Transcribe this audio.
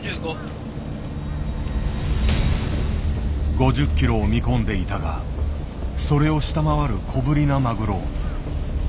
５０ｋｇを見込んでいたがそれを下回る小ぶりなマグロ。